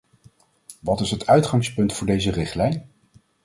Wat is het uitgangspunt voor deze richtlijn?